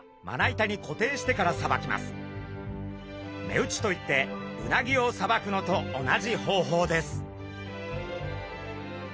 目打ちといってウナギをさばくのと同じ方法です。